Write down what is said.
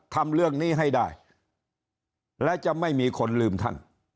ทำเรื่องนี้ให้ได้และจะไม่มีคนลืมท่าน